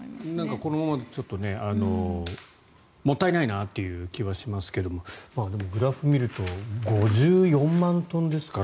このままだともったいないなという気はしますけどでも、グラフを見ると５４万トンですから。